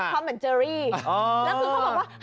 เหมือนเจอรี่แล้วคือเขาบอกว่า